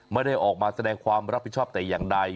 ไม่ได้ออกมาแสดงความรับผิดชอบแต่อย่างใด